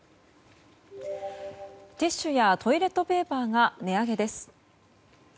ティッシュやトイレットペーパーが値上げです。